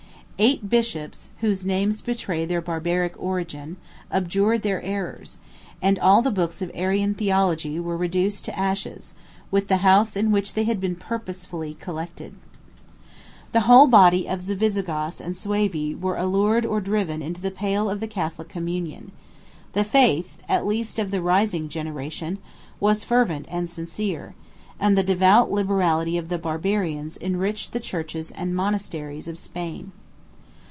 Eight bishops, whose names betray their Barbaric origin, abjured their errors; and all the books of Arian theology were reduced to ashes, with the house in which they had been purposely collected. The whole body of the Visigoths and Suevi were allured or driven into the pale of the Catholic communion; the faith, at least of the rising generation, was fervent and sincere: and the devout liberality of the Barbarians enriched the churches and monasteries of Spain.